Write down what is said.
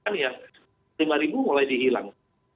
kan ya rp lima mulai dihilang